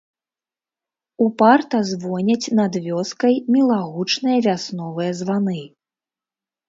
Упарта звоняць над вёскай мілагучныя вясновыя званы.